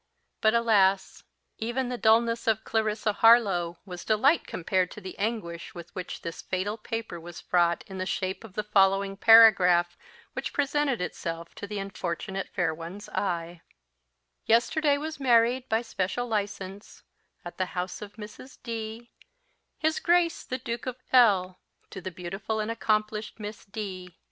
But, alas! even the dulness of Clarissa Harlowe was delight compared to the anguish with which this fatal paper was fraught, in the shape of the following paragraph, which presented itself to the unfortunate fair one's eye: "Yesterday was married, by special license, at the house of Mrs. D , his Grace the Duke of L , to the beautiful and accomplished Miss D